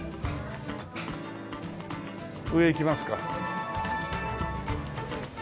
上行きますか。